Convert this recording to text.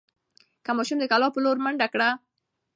ماشوم د کلا په لور منډه کړه.